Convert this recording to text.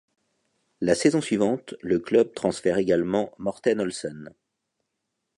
La saison suivante, le club transfère également Morten Olsen.